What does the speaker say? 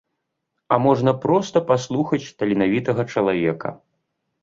А можна проста паслухаць таленавітага чалавека.